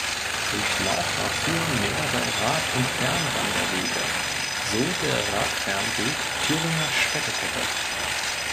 Durch Laucha führen mehrere Rad- und Fernwanderwege, so der Radfernweg Thüringer Städtekette.